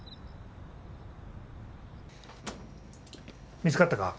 見つかったか？